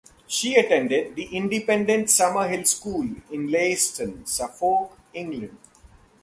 She attended the independent Summerhill School in Leiston, Suffolk, England.